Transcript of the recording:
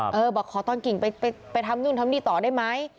ผมเลยว่าไปทำดีต่อได้ไหม